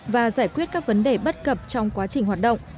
và giải quyết các vấn đề bất cập trong quá trình hoạt động